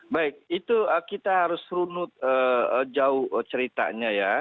baik itu kita harus runut jauh ceritanya ya